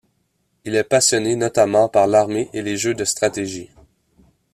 Il est passionné notamment par l'armée et les jeux de stratégie.